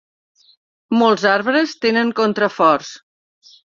Molts arbres tenen contraforts.